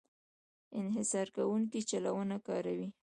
انحصار کوونکی چلونه کاروي.